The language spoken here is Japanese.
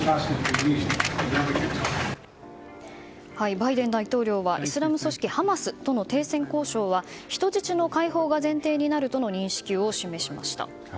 バイデン大統領はイスラム組織ハマスとの停戦交渉は人質の解放が前提になるとの認識を示しました。